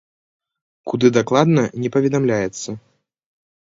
Куды дакладна, не паведамляецца.